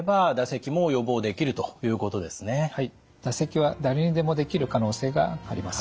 唾石は誰にでもできる可能性があります。